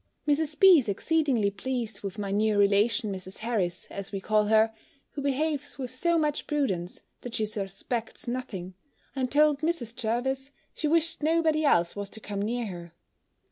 Mrs. B. is exceedingly pleased with my new relation Mrs. Harris, as we call her, who behaves with so much prudence, that she suspects nothing, and told Mrs. Jervis, she wished nobody else was to come near her.